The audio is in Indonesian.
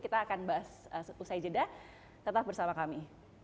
kita akan bahas usai jeda tetap bersama kami